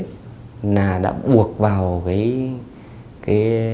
là đã buộc vào cái